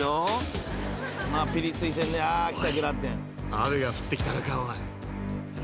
［雨が降ってきたのかおい］